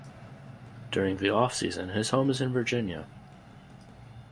During the offseason, his home is in Virginia.